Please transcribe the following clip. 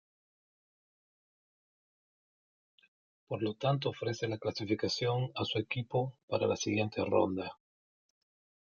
Por lo tanto, ofrece la clasificación a su equipo para la siguiente ronda.